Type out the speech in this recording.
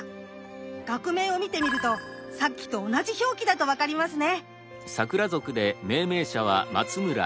学名を見てみるとさっきと同じ表記だと分かりますね。